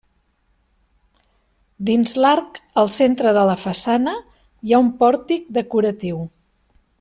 Dins l'arc al centre de la façana hi ha un pòrtic decoratiu.